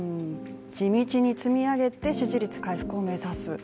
地道に積み上げて、支持率回復を目指す。